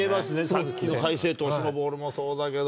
さっきの大勢投手のボールもそうだけど。